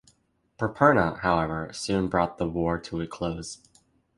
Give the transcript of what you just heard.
Perperna, however, soon brought the war to a close.